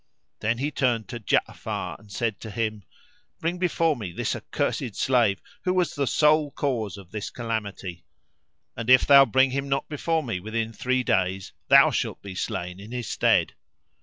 Then he turned to Ja'afar and said to him, "Bring before me this accursed slave who was the sole cause of this calamity; and, if thou bring him not before me within three days, thou shalt be slain in his stead."